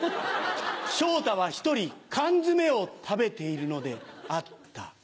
昇太は１人缶詰を食べているのであった。